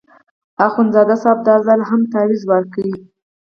اخندزاده صاحب دا ځل هم تاویز ورکړ.